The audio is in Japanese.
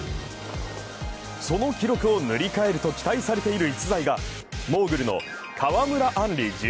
その記録を塗り替えると期待されている逸材がモーグルの川村あんり